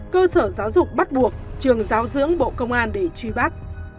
cơ sở giáo dục bắt buộc trường giáo dưỡng bộ công an để truy bắt